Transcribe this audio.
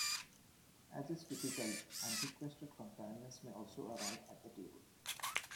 As is typical, unrequested companions may also arrive at the table.